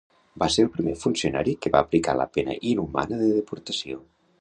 Va ser el primer funcionari que va aplicar la pena inhumana de deportació.